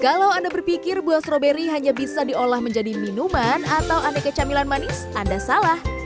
kalau anda berpikir buah stroberi hanya bisa diolah menjadi minuman atau aneka camilan manis anda salah